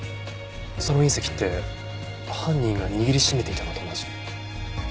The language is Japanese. その隕石って犯人が握り締めていたのと同じ。